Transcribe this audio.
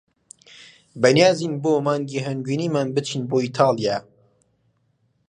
بەنیازین بۆ مانگی هەنگوینیمان بچین بۆ ئیتالیا.